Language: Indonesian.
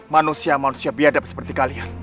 manusia manusia biadab seperti kalian